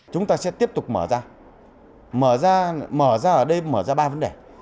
chúng ta sẽ tiếp tục mở ra mở ra ở đây mở ra ba vấn đề